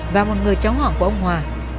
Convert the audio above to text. và một người cháu họ của ông hòa